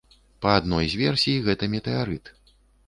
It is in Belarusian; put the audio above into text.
Па адной з версій, гэта метэарыт.